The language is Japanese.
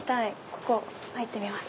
ここ入ってみます。